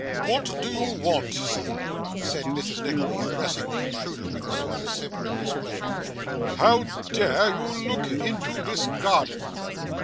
What do you want, sir?' said Mrs. Nickleby, addressing the intruder with a sort of simpering displeasure. 'How dare you look into this garden?